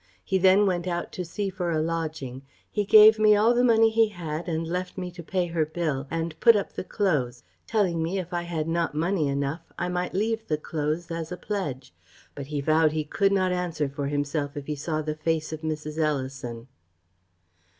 He then went out to see for a lodging; he gave me all the money he had, and left me to pay her bill, and put up the cloaths, telling me, if I had not money enough, I might leave the cloaths as a pledge; but he vowed he could not answer for himself if he saw the face of Mrs. Ellison.